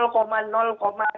koma koma dan gitu